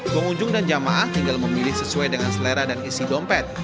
pengunjung dan jamaah tinggal memilih sesuai dengan selera dan isi dompet